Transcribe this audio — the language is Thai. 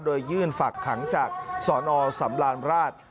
โดยยื่นฝากขังจากสนสำราญราช